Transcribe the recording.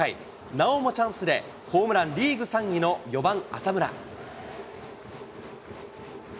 なおもチャンスで、ホームランリーグ３位の４番浅村。